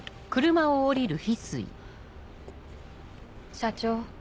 社長